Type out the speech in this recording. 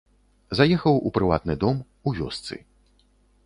Заехаў у прыватны дом, у вёсцы.